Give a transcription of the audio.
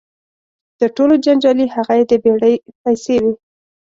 تر ټولو جنجالي هغه یې د بېړۍ پیسې وې.